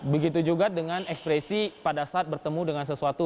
begitu juga dengan ekspresi pada saat bertemu dengan sesuatu